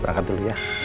berangkat dulu ya